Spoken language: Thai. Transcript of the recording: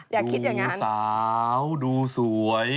ดูสาวดูสวย